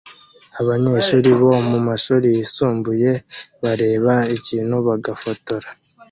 Abanyeshuri bo mumashuri yisumbuye bareba ikintu bagafotora